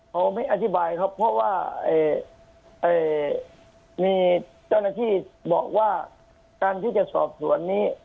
เขาไม่อธิบายครับเพราะว่ามีเจ้าหน้าที่บอกว่าการที่จะสอบสวนนี้